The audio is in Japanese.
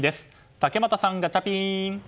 竹俣さん、ガチャピン！